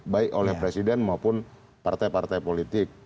baik oleh presiden maupun partai partai politik